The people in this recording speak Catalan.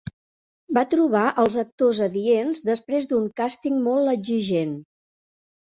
Va trobar els actors adients després d'un càsting molt exigent.